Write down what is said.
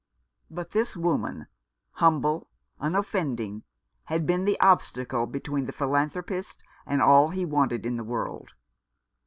But this woman, humble, unoffending, had been the obstacle between the philanthropist and all he wanted in this world.